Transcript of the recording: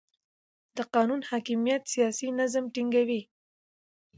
د قانون حاکمیت سیاسي نظم ټینګوي